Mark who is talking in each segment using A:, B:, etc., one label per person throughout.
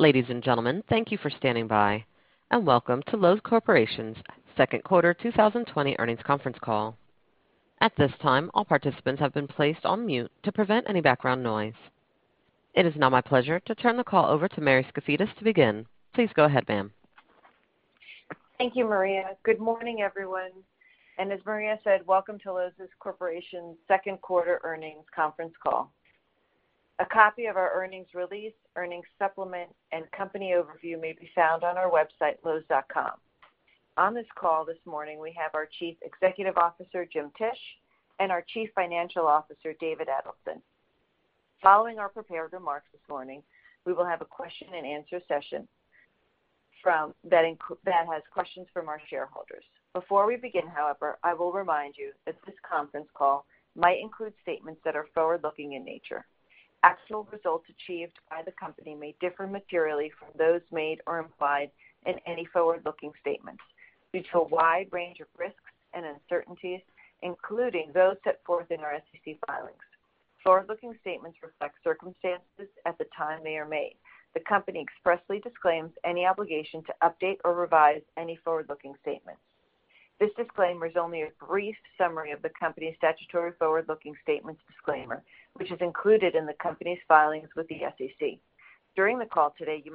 A: Ladies and gentlemen, thank you for standing by, and welcome to Loews Corporation's second quarter 2020 earnings conference call. At this time, all participants have been placed on mute to prevent any background noise. It is now my pleasure to turn the call over to Mary Skafidas to begin. Please go ahead, ma'am.
B: Thank you, Maria. Good morning, everyone. As Maria said, welcome to Loews Corporation's second quarter earnings conference call. A copy of our earnings release, earnings supplement, and company overview may be found on our website, loews.com. On this call this morning, we have our Chief Executive Officer, James Tisch, and our Chief Financial Officer, David Edelson. Following our prepared remarks this morning, we will have a question and answer session that has questions from our shareholders. Before we begin, however, I will remind you that this conference call might include statements that are forward-looking in nature. Actual results achieved by the company may differ materially from those made or implied in any forward-looking statements due to a wide range of risks and uncertainties, including those set forth in our SEC filings. Forward-looking statements reflect circumstances at the time they are made. The company expressly disclaims any obligation to update or revise any forward-looking statements. This disclaimer is only a brief summary of the company's statutory forward-looking statements disclaimer, which is included in the company's filings with the SEC. During the call today, we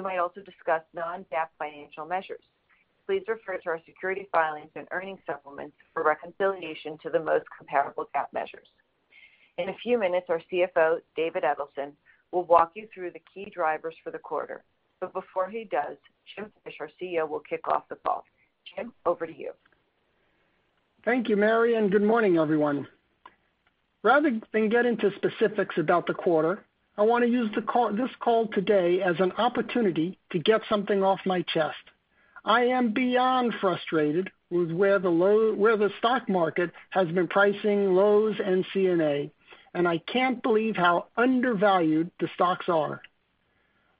B: might also discuss non-GAAP financial measures. Please refer to our security filings and earnings supplements for reconciliation to the most comparable GAAP measures. In a few minutes, our CFO, David Edelson, will walk you through the key drivers for the quarter. Before he does, James Tisch, our CEO, will kick off the call. Jim, over to you.
C: Thank you, Mary, and good morning, everyone. Rather than get into specifics about the quarter, I want to use this call today as an opportunity to get something off my chest. I am beyond frustrated with where the stock market has been pricing Loews and CNA, and I can't believe how undervalued the stocks are.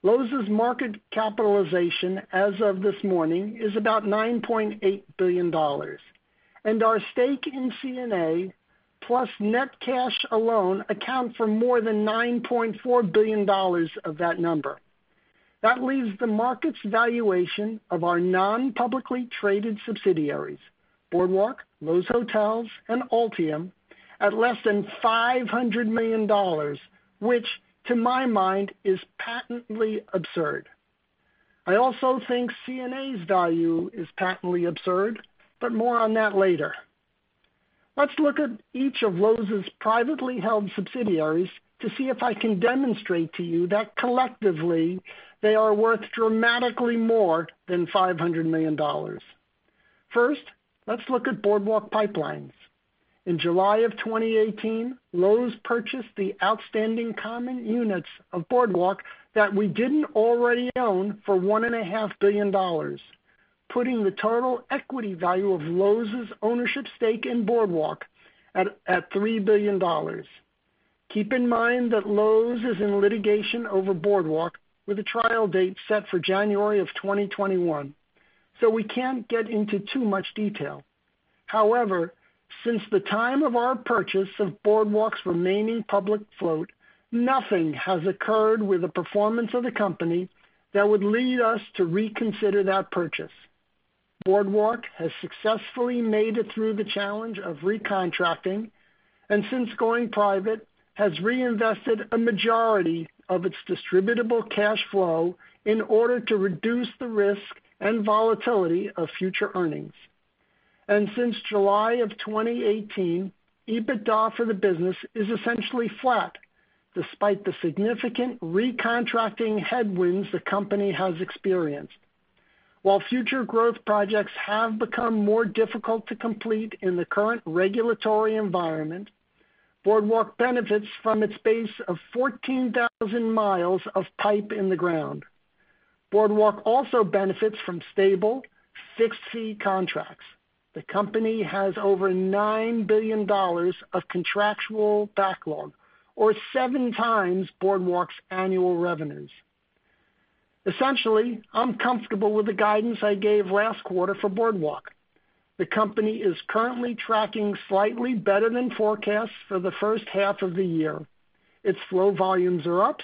C: Loews' market capitalization as of this morning is about $9.8 billion. Our stake in CNA plus net cash alone account for more than $9.4 billion of that number. That leaves the market's valuation of our non-publicly traded subsidiaries, Boardwalk, Loews Hotels, and Altium, at less than $500 million, which to my mind is patently absurd. I also think CNA's value is patently absurd, but more on that later. Let's look at each of Loews's privately held subsidiaries to see if I can demonstrate to you that collectively, they are worth dramatically more than $500 million. Let's look at Boardwalk Pipelines. In July of 2018, Loews purchased the outstanding common units of Boardwalk that we didn't already own for $1.5 billion, putting the total equity value of Loews' ownership stake in Boardwalk at $3 billion. Keep in mind that Loews is in litigation over Boardwalk with a trial date set for January of 2021, so we can't get into too much detail. Since the time of our purchase of Boardwalk's remaining public float, nothing has occurred with the performance of the company that would lead us to reconsider that purchase. Boardwalk has successfully made it through the challenge of recontracting, since going private, has reinvested a majority of its distributable cash flow in order to reduce the risk and volatility of future earnings. Since July of 2018, EBITDA for the business is essentially flat, despite the significant recontracting headwinds the company has experienced. While future growth projects have become more difficult to complete in the current regulatory environment, Boardwalk benefits from its base of 14,000 miles of pipe in the ground. Boardwalk also benefits from stable, fixed-fee contracts. The company has over $9 billion of contractual backlog, or seven times Boardwalk's annual revenues. Essentially, I'm comfortable with the guidance I gave last quarter for Boardwalk. The company is currently tracking slightly better than forecasts for the first half of the year. Its flow volumes are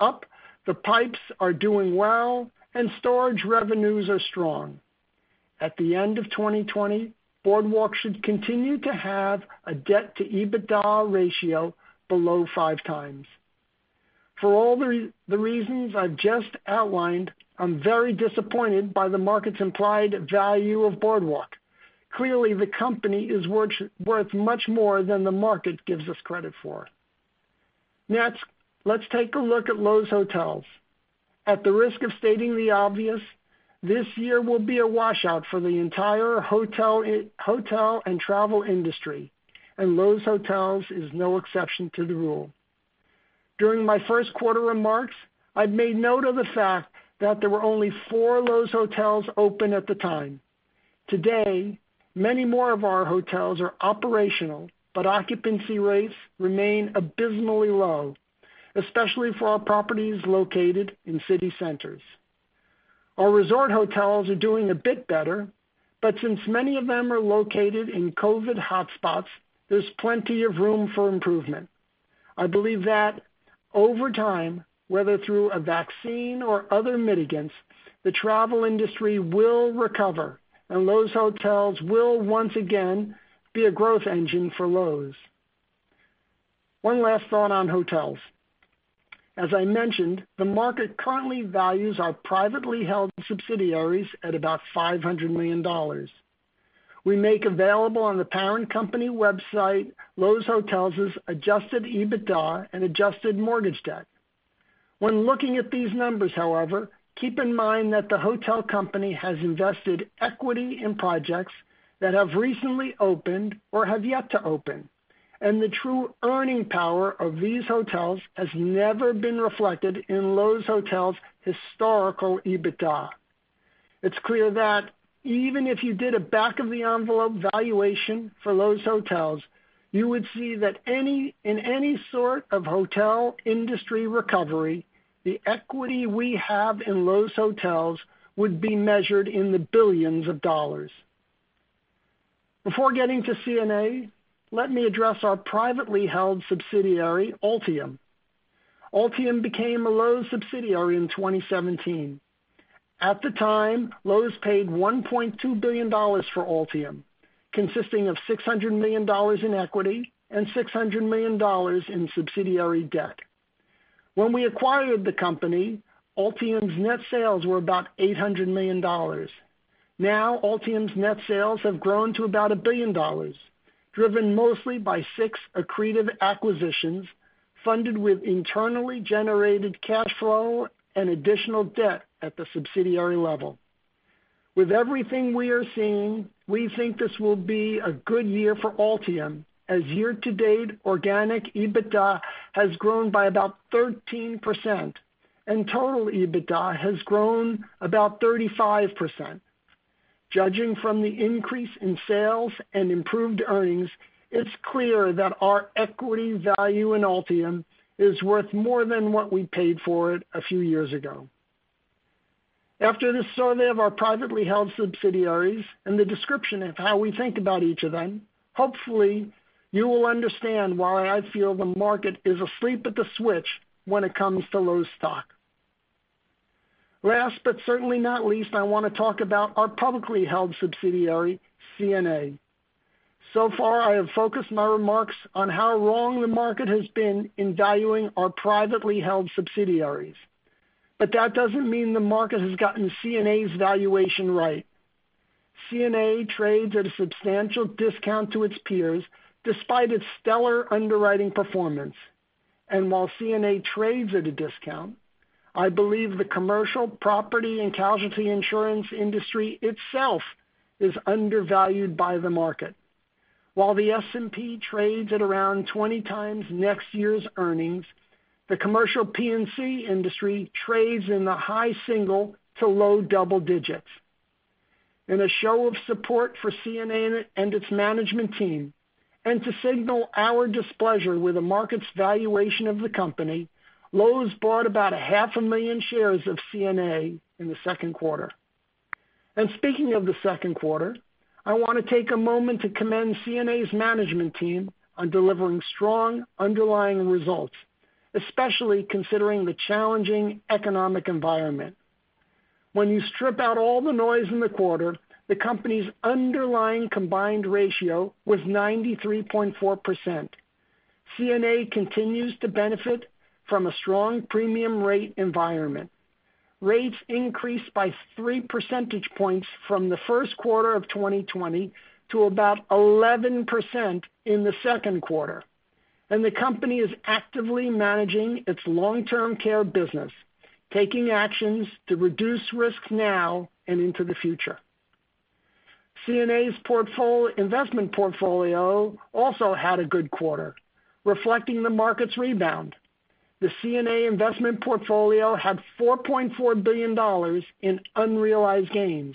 C: up, the pipes are doing well, and storage revenues are strong. At the end of 2020, Boardwalk should continue to have a debt to EBITDA ratio below five times. For all the reasons I've just outlined, I'm very disappointed by the market's implied value of Boardwalk. Clearly, the company is worth much more than the market gives us credit for. Next, let's take a look at Loews Hotels. At the risk of stating the obvious, this year will be a washout for the entire hotel and travel industry, and Loews Hotels is no exception to the rule. During my first quarter remarks, I made note of the fact that there were only four Loews Hotels open at the time. Today, many more of our hotels are operational, but occupancy rates remain abysmally low, especially for our properties located in city centers. Our resort hotels are doing a bit better, but since many of them are located in COVID hotspots, there's plenty of room for improvement. I believe that over time, whether through a vaccine or other [medicines], the travel industry will recover, and Loews Hotels will once again be a growth engine for Loews. One last thought on hotels. As I mentioned, the market currently values our privately held subsidiaries at about $500 million. We make available on the parent company website Loews Hotels' adjusted EBITDA and adjusted mortgage debt. When looking at these numbers, however, keep in mind that the hotel company has invested equity in projects that have recently opened or have yet to open, and the true earning power of these hotels has never been reflected in Loews Hotels' historical EBITDA. It's clear that even if you did a back-of-the-envelope valuation for Loews Hotels, you would see that in any sort of hotel industry recovery, the equity we have in Loews Hotels would be measured in the billions of dollars. Before getting to CNA, let me address our privately held subsidiary, Altium. Altium became a Loews subsidiary in 2017. At the time, Loews paid $1.2 billion for Altium, consisting of $600 million in equity and $600 million in subsidiary debt. When we acquired the company, Altium's net sales were about $800 million. Altium's net sales have grown to about $1 billion, driven mostly by six accretive acquisitions, funded with internally generated cash flow and additional debt at the subsidiary level. With everything we are seeing, we think this will be a good year for Altium, as year-to-date organic EBITDA has grown by about 13%, and total EBITDA has grown about 35%. Judging from the increase in sales and improved earnings, it's clear that our equity value in Altium is worth more than what we paid for it a few years ago. After this survey of our privately held subsidiaries and the description of how we think about each of them, hopefully you will understand why I feel the market is asleep at the switch when it comes to Loews stock. Last but certainly not least, I want to talk about our publicly held subsidiary, CNA. Far, I have focused my remarks on how wrong the market has been in valuing our privately held subsidiaries. That doesn't mean the market has gotten CNA's valuation right. CNA trades at a substantial discount to its peers despite its stellar underwriting performance. While CNA trades at a discount, I believe the commercial property and casualty insurance industry itself is undervalued by the market. While the S&P trades at around 20 times next year's earnings, the commercial P&C industry trades in the high single to low double digits. In a show of support for CNA and its management team and to signal our displeasure with the market's valuation of the company, Loews bought about a half a million shares of CNA in the second quarter. Speaking of the second quarter, I want to take a moment to commend CNA's management team on delivering strong underlying results, especially considering the challenging economic environment. When you strip out all the noise in the quarter, the company's underlying combined ratio was 93.4%. CNA continues to benefit from a strong premium rate environment. Rates increased by three percentage points from the first quarter of 2020 to about 11% in the second quarter, and the company is actively managing its long-term care business, taking actions to reduce risks now and into the future. CNA's investment portfolio also had a good quarter, reflecting the market's rebound. The CNA investment portfolio had $4.4 billion in unrealized gains.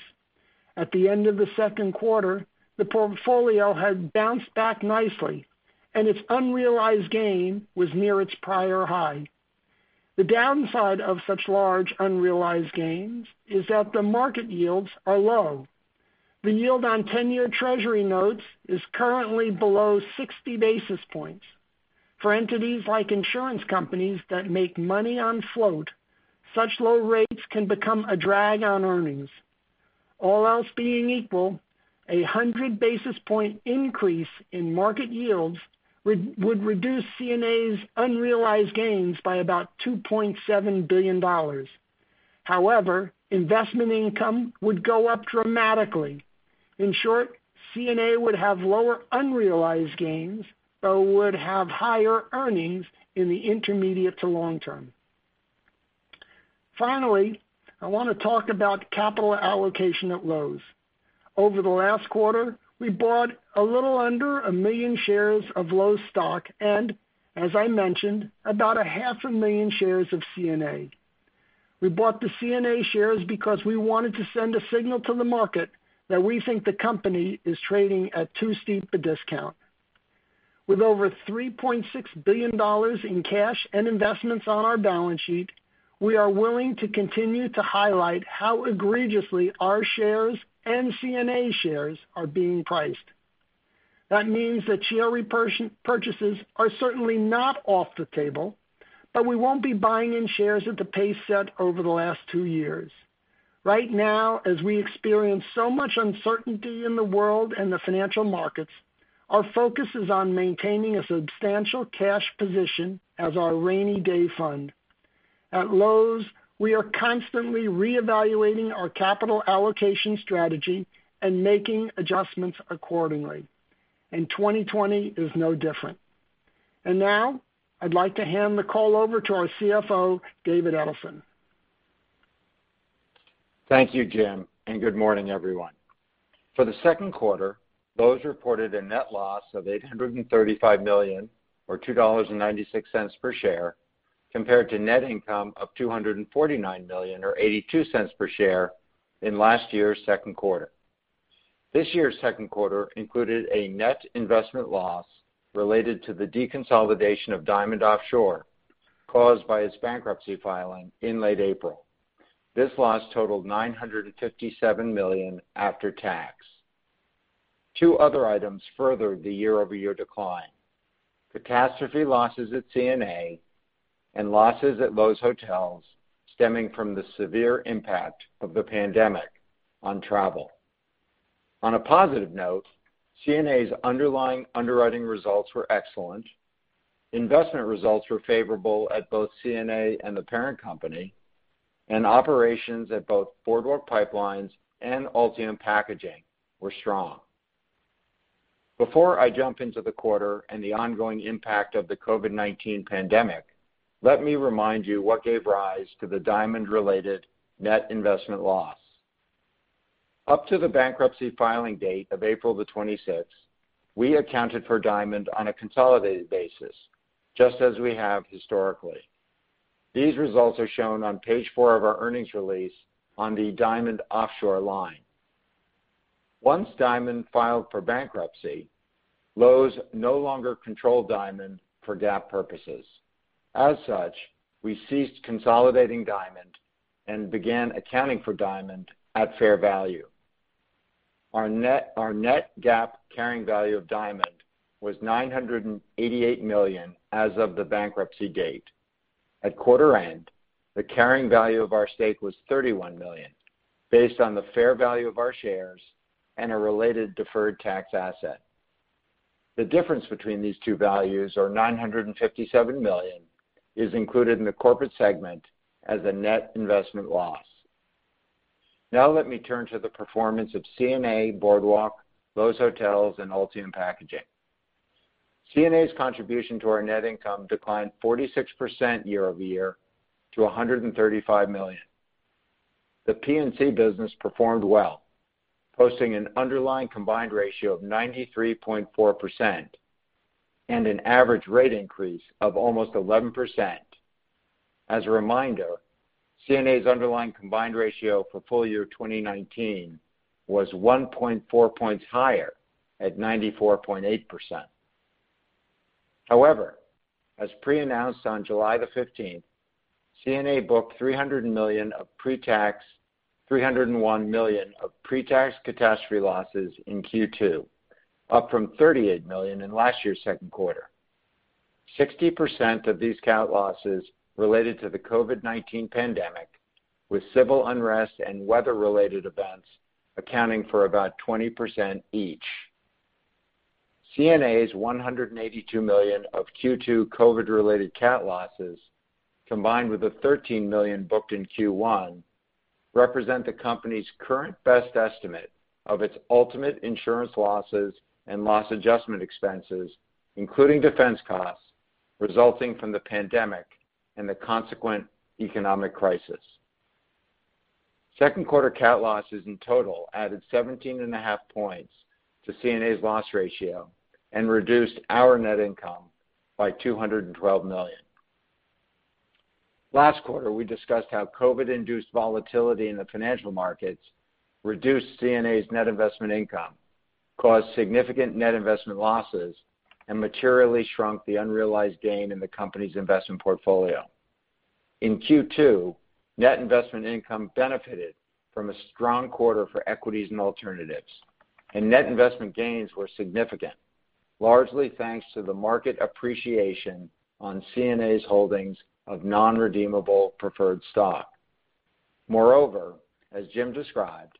C: At the end of the second quarter, the portfolio had bounced back nicely, and its unrealized gain was near its prior high. The downside of such large unrealized gains is that the market yields are low. The yield on 10-year Treasury notes is currently below 60 basis points. For entities like insurance companies that make money on float, such low rates can become a drag on earnings. All else being equal, a 100-basis-point increase in market yields would reduce CNA's unrealized gains by about $2.7 billion. However, investment income would go up dramatically. In short, CNA would have lower unrealized gains but would have higher earnings in the intermediate to long term. Finally, I want to talk about capital allocation at Loews. Over the last quarter, we bought a little under 1 million shares of Loews stock and, as I mentioned, about a half a million shares of CNA. We bought the CNA shares because we wanted to send a signal to the market that we think the company is trading at too steep a discount. With over $3.6 billion in cash and investments on our balance sheet, we are willing to continue to highlight how egregiously our shares and CNA shares are being priced. That means that share repurchases are certainly not off the table, but we won't be buying in shares at the pace set over the last two years. Right now, as we experience so much uncertainty in the world and the financial markets, our focus is on maintaining a substantial cash position as our rainy day fund. At Loews, we are constantly reevaluating our capital allocation strategy and making adjustments accordingly. 2020 is no different. Now I'd like to hand the call over to our CFO, David Edelson.
D: Thank you, Jim, and good morning, everyone. For the second quarter, Loews reported a net loss of $835 million or $2.96 per share, compared to net income of $249 million or $0.82 per share in last year's second quarter. This year's second quarter included a net investment loss related to the deconsolidation of Diamond Offshore caused by its bankruptcy filing in late April. This loss totaled $957 million after tax. Two other items furthered the year-over-year decline. Catastrophe losses at CNA and losses at Loews Hotels stemming from the severe impact of the pandemic on travel. On a positive note, CNA's underlying underwriting results were excellent. Investment results were favorable at both CNA and the parent company, and operations at both Boardwalk Pipelines and Altium Packaging were strong. Before I jump into the quarter and the ongoing impact of the COVID-19 pandemic, let me remind you what gave rise to the Diamond-related net investment loss. Up to the bankruptcy filing date of April 26th, we accounted for Diamond on a consolidated basis, just as we have historically. These results are shown on page four of our earnings release on the Diamond Offshore line. Once Diamond filed for bankruptcy, Loews no longer controlled Diamond for GAAP purposes. As such, we ceased consolidating Diamond and began accounting for Diamond at fair value. Our net GAAP carrying value of Diamond was $988 million as of the bankruptcy date. At quarter end, the carrying value of our stake was $31 million, based on the fair value of our shares and a related deferred tax asset. The difference between these two values, or $957 million, is included in the corporate segment as a net investment loss. Now let me turn to the performance of CNA, Boardwalk, Loews Hotels, and Altium Packaging. CNA's contribution to our net income declined 46% year-over-year to $135 million. The P&C business performed well, posting an underlying combined ratio of 93.4% and an average rate increase of almost 11%. As a reminder, CNA's underlying combined ratio for full year 2019 was 1.4 points higher at 94.8%. However, as pre-announced on July the 15th, CNA booked $301 million of pre-tax catastrophe losses in Q2, up from $38 million in last year's second quarter. 60% of these cat losses related to the COVID-19 pandemic with civil unrest and weather-related events accounting for about 20% each. CNA's $182 million of Q2 COVID-related cat losses, combined with the $13 million booked in Q1, represent the company's current best estimate of its ultimate insurance losses and loss adjustment expenses, including defense costs, resulting from the pandemic and the consequent economic crisis. Second quarter cat losses in total added 17.5 points to CNA's loss ratio and reduced our net income by $212 million. Last quarter, we discussed how COVID-induced volatility in the financial markets reduced CNA's net investment income, caused significant net investment losses, and materially shrunk the unrealized gain in the company's investment portfolio. In Q2, net investment income benefited from a strong quarter for equities and alternatives, and net investment gains were significant, largely thanks to the market appreciation on CNA's holdings of non-redeemable preferred stock. Moreover, as Jim described,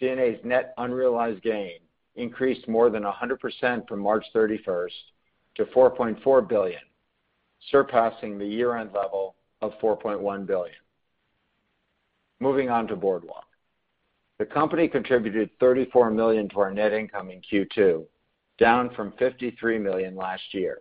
D: CNA's net unrealized gain increased more than 100% from March 31st to $4.4 billion, surpassing the year-end level of $4.1 billion. Moving on to Boardwalk. The company contributed $34 million to our net income in Q2, down from $53 million last year.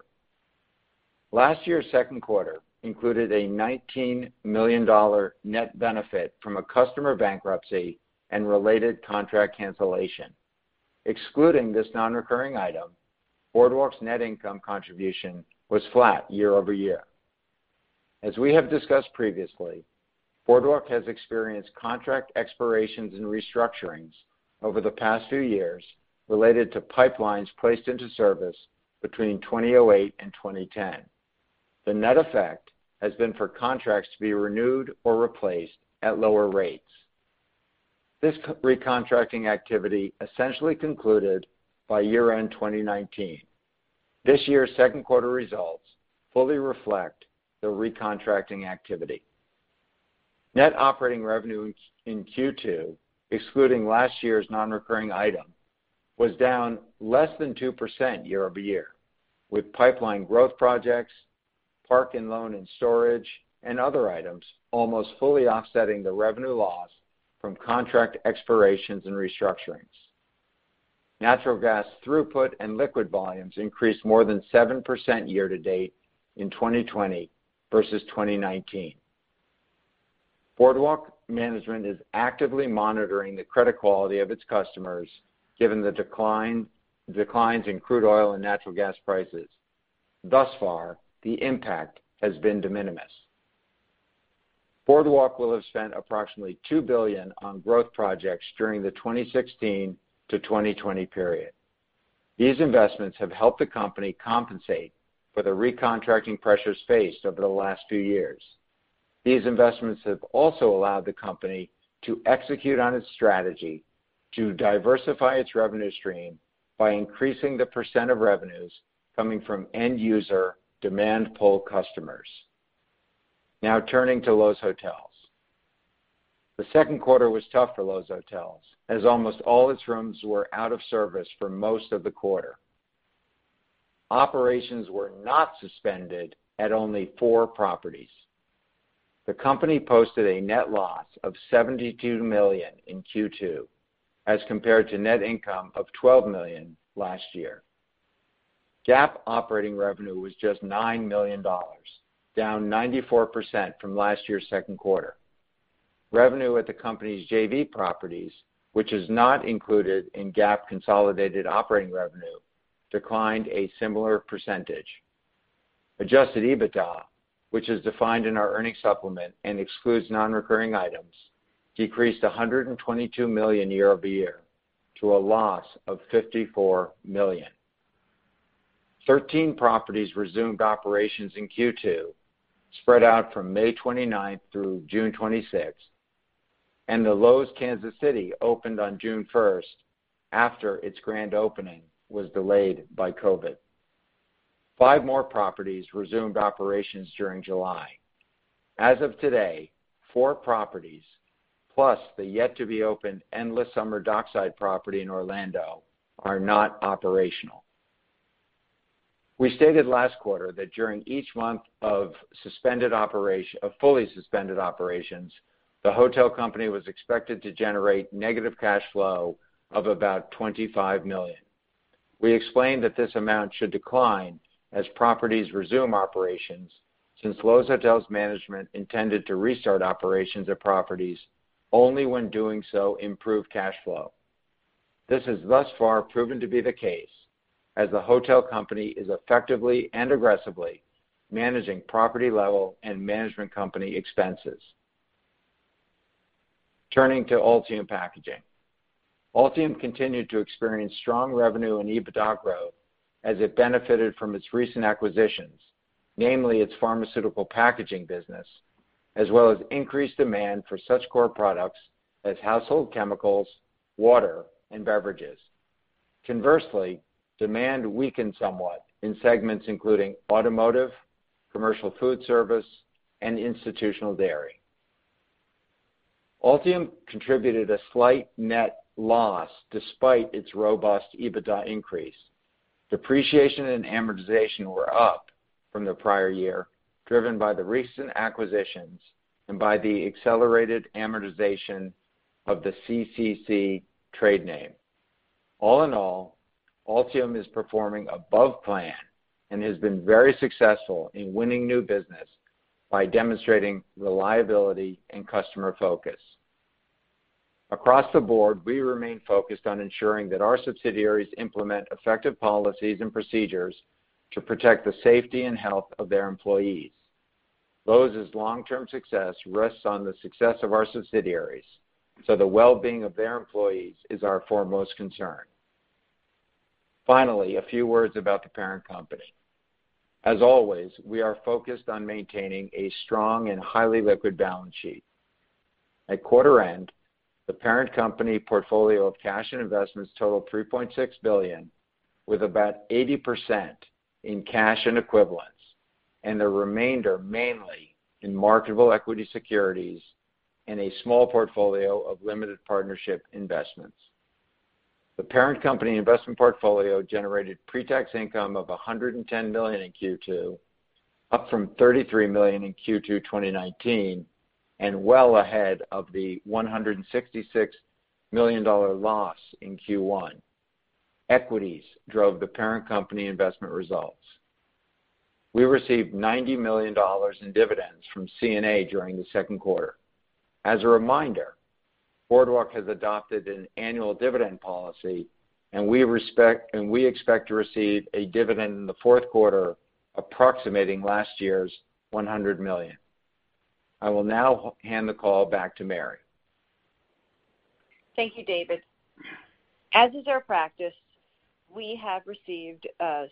D: Last year's second quarter included a $19 million net benefit from a customer bankruptcy and related contract cancellation. Excluding this non-recurring item, Boardwalk's net income contribution was flat year-over-year. As we have discussed previously, Boardwalk has experienced contract expirations and restructurings over the past few years related to pipelines placed into service between 2008 and 2010. The net effect has been for contracts to be renewed or replaced at lower rates. This recontracting activity essentially concluded by year-end 2019. This year's second quarter results fully reflect the recontracting activity. Net operating revenue in Q2, excluding last year's non-recurring item, was down less than 2% year-over-year, with pipeline growth projects, park and loan and storage, and other items almost fully offsetting the revenue loss from contract expirations and restructurings. Natural gas throughput and liquid volumes increased more than 7% year-to-date in 2020 versus 2019. Boardwalk management is actively monitoring the credit quality of its customers, given the declines in crude oil and natural gas prices. Thus far, the impact has been de minimis. Boardwalk will have spent approximately $2 billion on growth projects during the 2016 to 2020 period. These investments have helped the company compensate for the recontracting pressures faced over the last few years. These investments have also allowed the company to execute on its strategy to diversify its revenue stream by increasing the % of revenues coming from end user demand pull customers. Turning to Loews Hotels. The second quarter was tough for Loews Hotels, as almost all its rooms were out of service for most of the quarter. Operations were not suspended at only four properties. The company posted a net loss of $72 million in Q2 as compared to net income of $12 million last year. GAAP operating revenue was just $9 million, down 94% from last year's second quarter. Revenue at the company's JV properties, which is not included in GAAP consolidated operating revenue, declined a similar percentage. Adjusted EBITDA, which is defined in our earnings supplement and excludes non-recurring items, decreased to $122 million year-over-year to a loss of $54 million. 13 properties resumed operations in Q2, spread out from May 29th through June 26, and the Loews Kansas City opened on June 1st after its grand opening was delayed by COVID-19. Five more properties resumed operations during July. As of today, four properties, plus the yet-to-be-opened Endless Summer Dockside property in Orlando, are not operational. We stated last quarter that during each month of fully suspended operations, the hotel company was expected to generate negative cash flow of about $25 million. We explained that this amount should decline as properties resume operations since Loews Hotels management intended to restart operations at properties only when doing so improved cash flow. This has thus far proven to be the case as the hotel company is effectively and aggressively managing property-level and management company expenses. Turning to Altium Packaging. Altium continued to experience strong revenue and EBITDA growth as it benefited from its recent acquisitions, namely its pharmaceutical packaging business, as well as increased demand for such core products as household chemicals, water, and beverages. Conversely, demand weakened somewhat in segments including automotive, commercial food service, and institutional dairy. Altium contributed a slight net loss despite its robust EBITDA increase. Depreciation and amortization were up from the prior year, driven by the recent acquisitions and by the accelerated amortization of the CCC trade name. All in all, Altium is performing above plan and has been very successful in winning new business by demonstrating reliability and customer focus. Across the board, we remain focused on ensuring that our subsidiaries implement effective policies and procedures to protect the safety and health of their employees. Loews' long-term success rests on the success of our subsidiaries, so the well-being of their employees is our foremost concern. Finally, a few words about the parent company. As always, we are focused on maintaining a strong and highly liquid balance sheet. At quarter end, the parent company portfolio of cash and investments totaled $3.6 billion, with about 80% in cash and equivalents, and the remainder mainly in marketable equity securities and a small portfolio of limited partnership investments. The parent company investment portfolio generated pre-tax income of $110 million in Q2, up from $33 million in Q2 2019, and well ahead of the $166 million loss in Q1. Equities drove the parent company investment results. We received $90 million in dividends from CNA during the second quarter. As a reminder Boardwalk has adopted an annual dividend policy, and we expect to receive a dividend in the fourth quarter approximating last year's $100 million. I will now hand the call back to Mary.
B: Thank you, David. As is our practice, we have received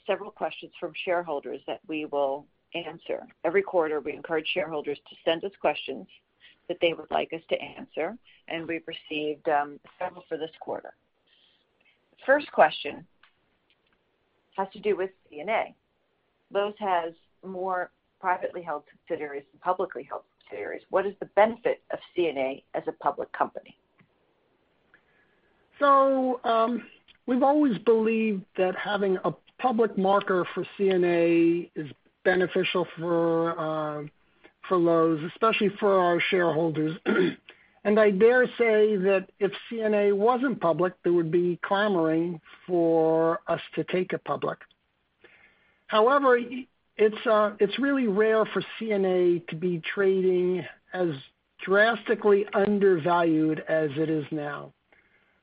B: several questions from shareholders that we will answer. Every quarter, we encourage shareholders to send us questions that they would like us to answer, and we've received several for this quarter. First question has to do with CNA. Loews has more privately held subsidiaries than publicly held subsidiaries. What is the benefit of CNA as a public company?
C: We've always believed that having a public marker for CNA is beneficial for Loews, especially for our shareholders. I dare say that if CNA wasn't public, there would be clamoring for us to take it public. However, it's really rare for CNA to be trading as drastically undervalued as it is now.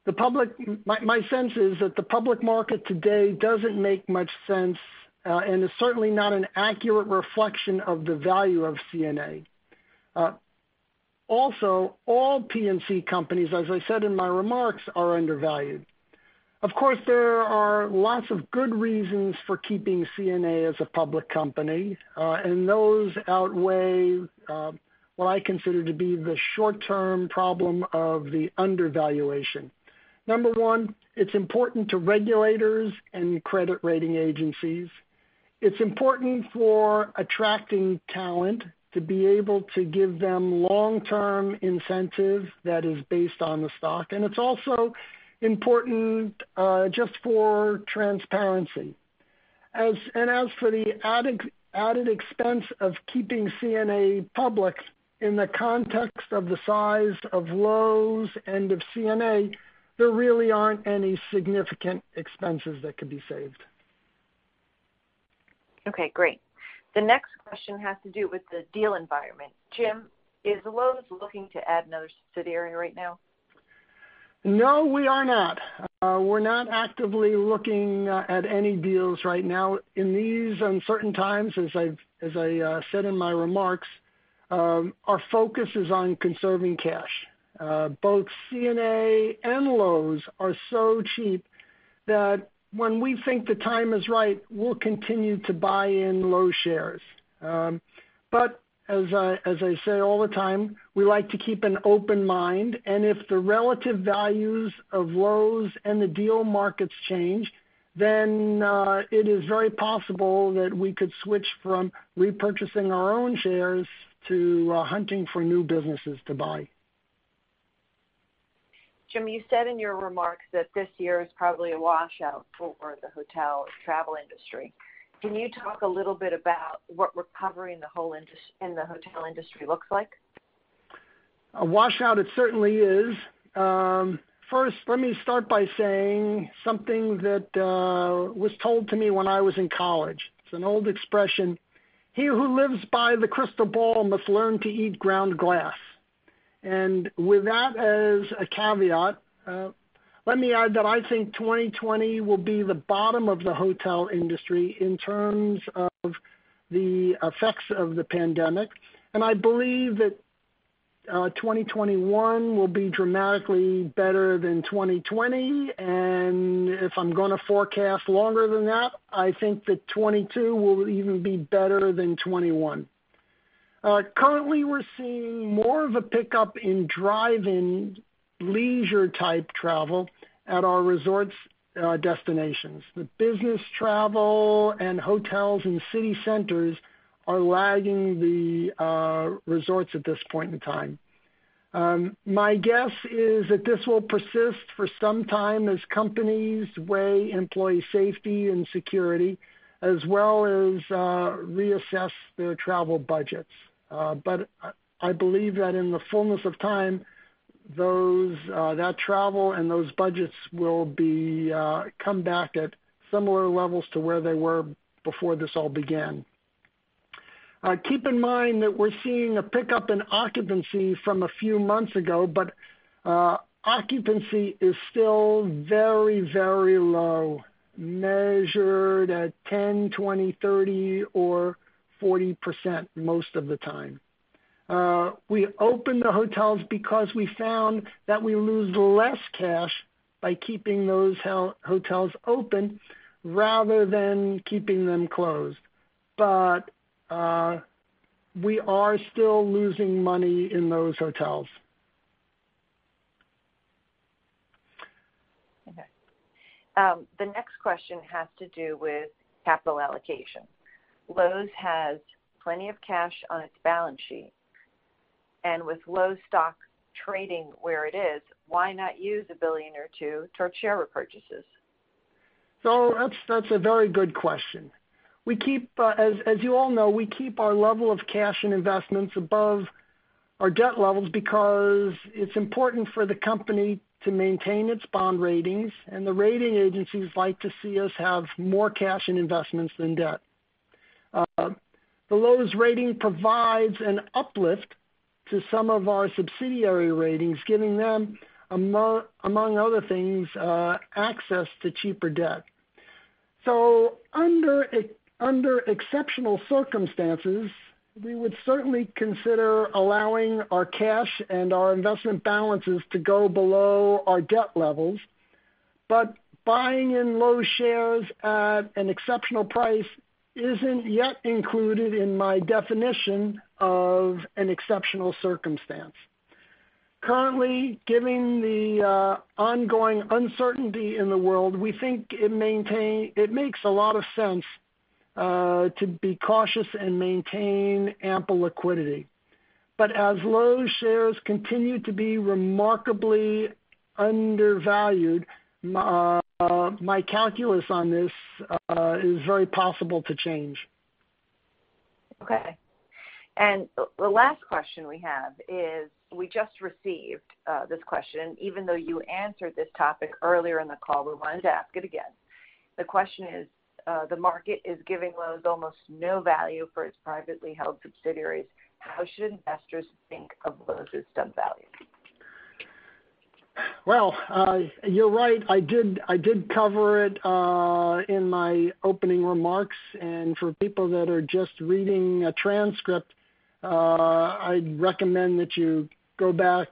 C: My sense is that the public market today doesn't make much sense, and is certainly not an accurate reflection of the value of CNA. Also, all P&C companies, as I said in my remarks, are undervalued. Of course, there are lots of good reasons for keeping CNA as a public company, and those outweigh what I consider to be the short-term problem of the undervaluation. Number one, it's important to regulators and credit rating agencies. It's important for attracting talent to be able to give them long-term incentive that is based on the stock. It's also important just for transparency. As for the added expense of keeping CNA public in the context of the size of Loews and of CNA, there really aren't any significant expenses that could be saved.
B: Okay, great. The next question has to do with the deal environment. Jim, is Loews looking to add another subsidiary right now?
C: No, we are not. We're not actively looking at any deals right now. In these uncertain times, as I said in my remarks, our focus is on conserving cash. Both CNA and Loews are so cheap that when we think the time is right, we'll continue to buy in Loews shares. As I say all the time, we like to keep an open mind, and if the relative values of Loews and the deal markets change, then it is very possible that we could switch from repurchasing our own shares to hunting for new businesses to buy.
B: Jim, you said in your remarks that this year is probably a washout for the hotel travel industry. Can you talk a little bit about what recovering the hotel industry looks like?
C: A washout it certainly is. First, let me start by saying something that was told to me when I was in college. It's an old expression. "He who lives by the crystal ball must learn to eat ground glass." With that as a caveat, let me add that I think 2020 will be the bottom of the hotel industry in terms of the effects of the pandemic. I believe that 2021 will be dramatically better than 2020. If I'm going to forecast longer than that, I think that 2022 will even be better than 2021. Currently, we're seeing more of a pickup in drive-in leisure type travel at our resorts destinations. The business travel and hotels in city centers are lagging the resorts at this point in time. My guess is that this will persist for some time as companies weigh employee safety and security, as well as reassess their travel budgets. I believe that in the fullness of time, that travel and those budgets will come back at similar levels to where they were before this all began. Keep in mind that we're seeing a pickup in occupancy from a few months ago, but occupancy is still very, very low, measured at 10%, 20%, 30%, or 40% most of the time. We opened the hotels because we found that we lose less cash by keeping those hotels open rather than keeping them closed. We are still losing money in those hotels.
B: Okay. The next question has to do with capital allocation. Loews has plenty of cash on its balance sheet, and with Loews stock trading where it is, why not use $1 billion or $2 billion toward share repurchases?
C: That's a very good question. As you all know, we keep our level of cash and investments above our debt levels because it's important for the company to maintain its bond ratings, and the rating agencies like to see us have more cash and investments than debt. The Loews rating provides an uplift to some of our subsidiary ratings, giving them, among other things, access to cheaper debt. Under exceptional circumstances, we would certainly consider allowing our cash and our investment balances to go below our debt levels. Buying in Loews shares at an exceptional price isn't yet included in my definition of an exceptional circumstance. Currently, given the ongoing uncertainty in the world, we think it makes a lot of sense to be cautious and maintain ample liquidity. As Loews shares continue to be remarkably undervalued, my calculus on this is very possible to change.
B: Okay. The last question we have is, we just received this question, even though you answered this topic earlier in the call, we wanted to ask it again. The question is: The market is giving Loews almost no value for its privately held subsidiaries. How should investors think of Loews' stub value?
C: Well, you're right. I did cover it in my opening remarks, and for people that are just reading a transcript, I'd recommend that you go back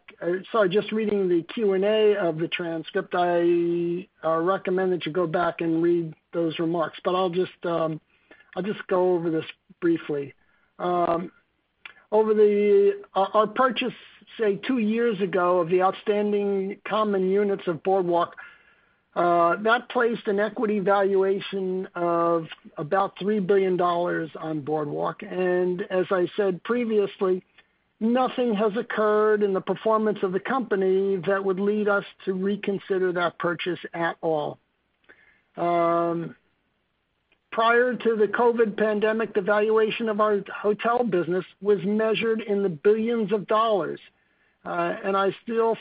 C: Sorry, just reading the Q&A of the transcript, I recommend that you go back and read those remarks. I'll just go over this briefly. Our purchase, say, two years ago of the outstanding common units of Boardwalk, that placed an equity valuation of about $3 billion on Boardwalk. As I said previously, nothing has occurred in the performance of the company that would lead us to reconsider that purchase at all. Prior to the COVID pandemic, the valuation of our hotel business was measured in the billions of dollars. I still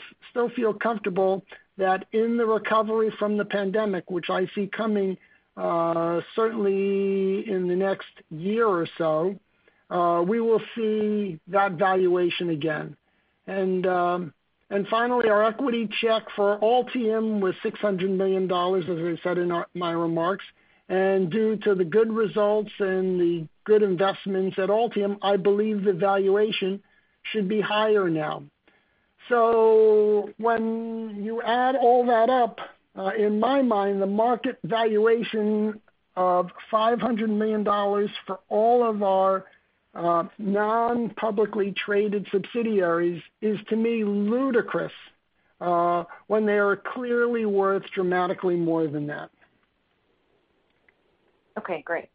C: feel comfortable that in the recovery from the pandemic, which I see coming certainly in the next year or so, we will see that valuation again. Finally, our equity check for Altium was $600 million, as I said in my remarks, and due to the good results and the good investments at Altium, I believe the valuation should be higher now. When you add all that up, in my mind, the market valuation of $500 million for all of our non-publicly traded subsidiaries is, to me, ludicrous, when they are clearly worth dramatically more than that.
B: Okay, great.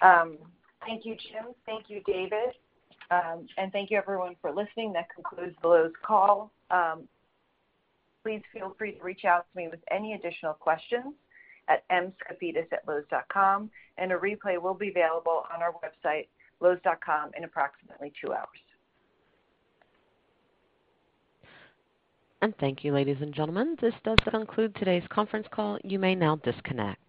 B: Thank you, Jim. Thank you, David. Thank you everyone for listening. That concludes the Loews call. Please feel free to reach out to me with any additional questions at mskafidas@loews.com, and a replay will be available on our website, loews.com, in approximately two hours.
A: Thank you, ladies and gentlemen. This does conclude today's conference call. You may now disconnect.